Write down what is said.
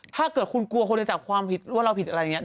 ถ้าเกิดคุณกลัวคนจะจับความผิดหรือว่าเราผิดอะไรอย่างนี้